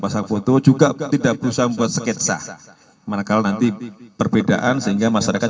pasang foto juga tidak berusaha membuat sketsa mereka nanti perbedaan sehingga masyarakat